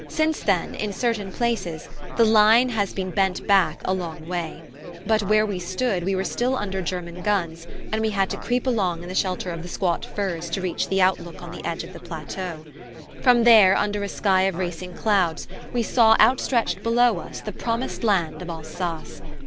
Since then, in certain places, the line has been bent back a long way; but where we stood we were still under German guns, and we had to creep along in the shelter of the squat firs to reach the outlook on the edge of the plateau. From there, under a sky of racing clouds, we saw outstretched below us the Promised Land of Alsace.